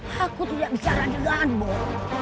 aku tuh tidak bisa raja rajaan boh